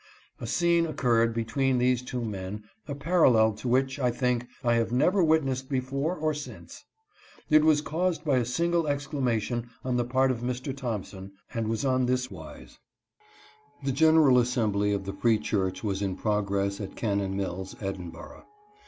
A scene occurred between these two men, a parallel to which I think I have never wit nessed before or since. It was caused by a single excla mation on the part of Mr. Thompson, and was on this wise: The general assembly of the Free Church was in prog CUNNINGHAM AND CANDLISH. 311 ress at Cannon Mills, Edinburgh.